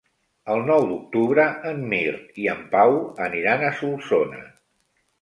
El nou d'octubre en Mirt i en Pau aniran a Solsona.